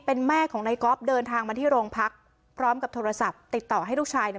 เป็นแม่ของนายก๊อฟเดินทางมาที่โรงพักพร้อมกับโทรศัพท์ติดต่อให้ลูกชาย